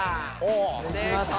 できました。